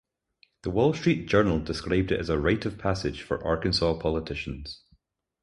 "The Wall Street Journal" described it as a "rite of passage" for Arkansas politicians.